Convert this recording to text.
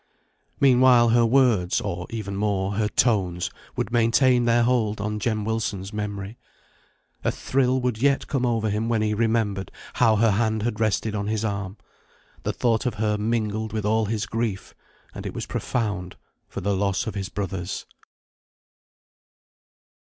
Meanwhile, her words or, even more, her tones would maintain their hold on Jem Wilson's memory. A thrill would yet come over him when he remembered how her hand had rested on his arm. The thought of her mingled with all his grief, and it was profound, for the loss of his brothers.